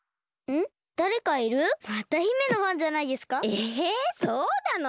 えそうなの？